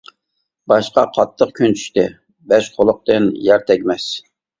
باشقا قاتتىق كۈن چۈشتى، بەش خولۇقتىن يەر تەگمەس.